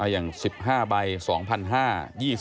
อย่าง๑๕ใบ๒๕๐๐บาท